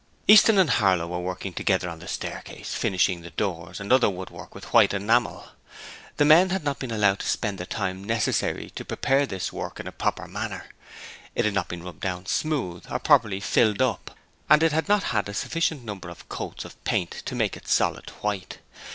Easton and Harlow were working together on the staircase, finishing the doors and other woodwork with white enamel. The men had not been allowed to spend the time necessary to prepare this work in a proper manner, it had not been rubbed down smooth or properly filled up, and it had not had a sufficient number of coats of paint to make it solid white.